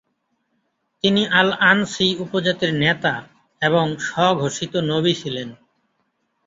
তিনি আল-আনসী উপজাতির নেতা এবং স্বঘোষিত নবী ছিলেন।